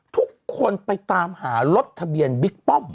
ทุกคนไปตามหารถทะเบียนบิ๊กป้อม